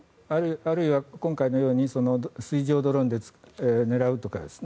あるいは、今回のように水上ドローンで狙うとか。